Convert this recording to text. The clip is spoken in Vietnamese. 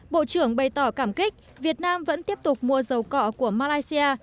bộ trưởng bày tỏ cảm kích việt nam vẫn tiếp tục mua dầu cọ của malaysia